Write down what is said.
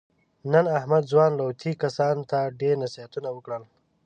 نن احمد ځوانو لوطي کسانو ته ډېر نصیحتونه وکړل.